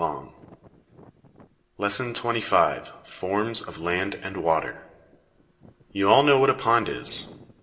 LESSON XXV. FORMS OF LAND AND WATER. You all know what a pond is.